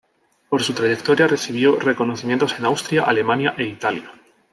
Por su trayectoria recibió reconocimientos en Austria, Alemania e Italia.